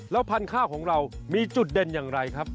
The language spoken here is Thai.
แล้วพันธุ์ข้าวของเรามีจุดเด่นอย่างไรครับ